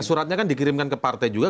suratnya kan dikirimkan ke partai juga